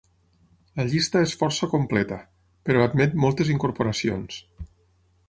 La llista és força completa, però admet moltes incorporacions.